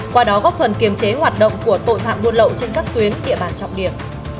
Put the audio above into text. qua đó góp phần kiềm chế hoạt động của tội phạm buôn lậu trên các tuyến địa bàn trọng điểm